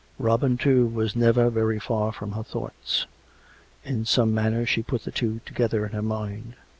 Robin, too, was never very far from her thoughts. In some manner she put the two together in her mind.